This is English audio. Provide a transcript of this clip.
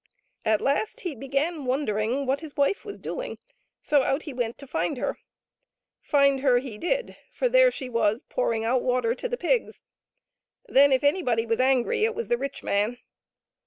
At last he began wondering what his wife was doing, so out he went to find her. Find her he did, for there she was pouring out water to the pigs. Then if anybody was angry it was the rich man.